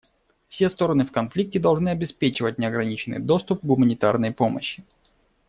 Все стороны в конфликте должны обеспечивать неограниченный доступ к гуманитарной помощи.